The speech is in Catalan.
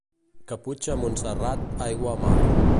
Caputxa a Montserrat, aigua a mar.